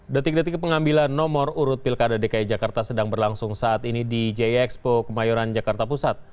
detik detik pengambilan nomor urut pilkada dki jakarta sedang berlangsung saat ini di jxpo kemayoran jakarta pusat